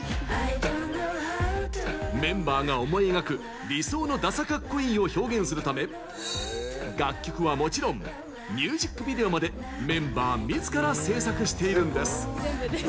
メンバーが思い描く理想の「ダサかっこいい」を表現するため楽曲は、もちろんミュージックビデオまでメンバーみずから制作しているんです。